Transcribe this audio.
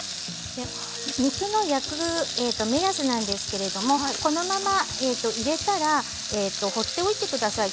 肉の焼く目安なんですけれどこのまま入れたら放っておいてください。